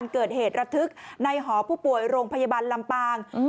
เกิดเหตุระทึกในหอผู้ป่วยโรงพยาบาลลำปาง